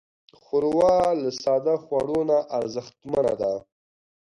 ښوروا له ساده خوړو نه ارزښتمنه ده.